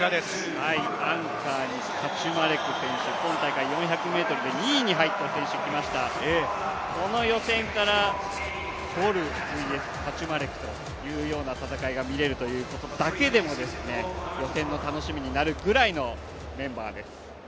アンカーにカチュマレク選手、今大会４００ｍで２位に入った選手がきました、この予選からボルＶＳカチュマレクという戦いが見られるということだけでも、予選の楽しみになるぐらいのメンバーです。